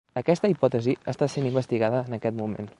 Aquesta hipòtesi està sent investigada en aquest moment.